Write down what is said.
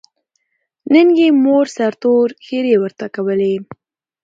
نن یې مور سرتور ښېرې ورته کولې.